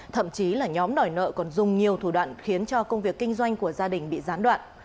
thậm chí là nhóm đòi nợ còn dùng nhiều thủ đoạn khiến cho công việc kinh doanh của gia đình bị gián đoạn